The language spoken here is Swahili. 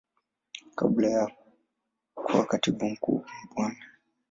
Kabla ya kuwa Katibu Mkuu Bwana.